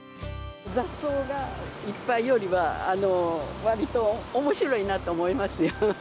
雑草がいっぱいよりは、割とおもしろいなと思いますよ。